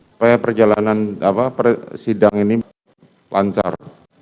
supaya perjalanan sidang ini lancar